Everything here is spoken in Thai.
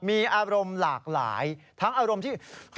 มีอารมณ์หลากหลายทั้งอารมณ์ที่